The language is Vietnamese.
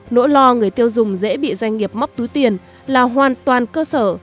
nỗi lo người tiêu dùng dễ bị doanh nghiệp móc túi tiền là hoàn toàn cơ sở